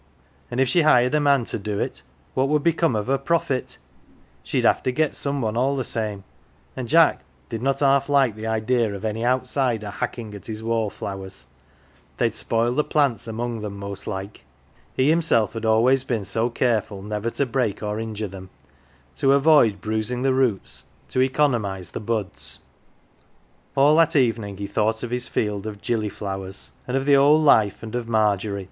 And if she hired a man to do it, what would be come of her pro fit? SheMhave to get some one all the same, and Jack did not half like the idea of any outsider hacking at his wallflowers they'd spoil the plants among them, most like. He himself had always been so careful never to break or injure them, to avoid 134: "THE GILLY F'ERS" bruising the roots, to economise the buds. All that evening he thought of his field of gilly flowers and of the old life and of Margery.